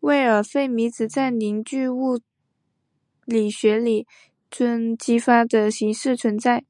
魏尔费米子在凝聚体物理学里以准粒子激发的形式存在。